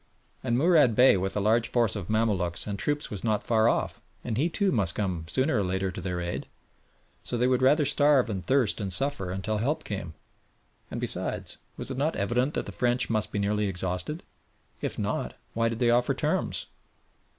And Mourad Bey with a large force of Mamaluks and troops was not far off, and he too must come sooner or later to their aid. So they would rather starve and thirst and suffer until help came; and besides, was it not evident that the French must be nearly exhausted? if not, why did they offer terms?